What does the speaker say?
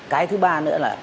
cái thứ ba nữa là